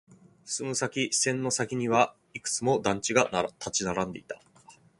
進む先、視線の先にはいくつも団地が立ち並んでいた。